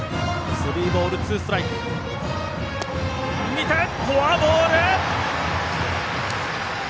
見てフォアボール！